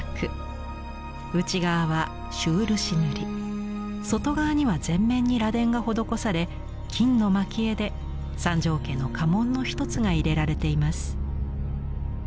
内側は朱漆塗り外側には全面に螺鈿が施され金の蒔絵で三条家の家紋の一つが入れられています。